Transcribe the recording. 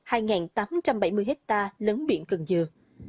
hai tám trăm bảy mươi hectare lớn biển cần dừa